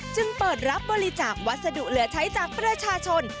จึงเปิดรับบริจาควัสดุเหลือใช้จากประชาชน